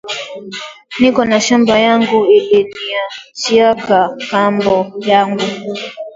Niko na shamba yangu iliniachiaka kambo yangu